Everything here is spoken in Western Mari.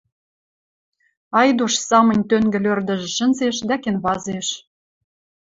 Айдуш самынь тӧнгӹл ӧрдӹжӹш шӹнзеш дӓ кенвазеш.